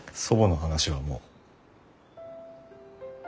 祖母の話はもう。